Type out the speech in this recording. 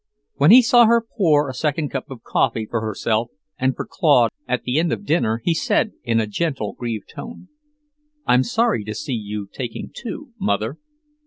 When he saw her pour a second cup of coffee for herself and for Claude at the end of dinner, he said, in a gentle, grieved tone, "I'm sorry to see you taking two, Mother."